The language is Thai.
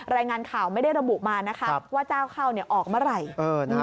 รายงานข่าวไม่ได้ระบุมานะคะว่าเจ้าเข้าออกเมื่อไหร่